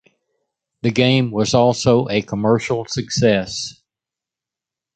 The game was also a commercial success.